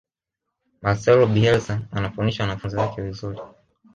marcelo bielsa anafundisha wanafunzi wake vizuri